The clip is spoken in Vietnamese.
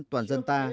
toàn dân ta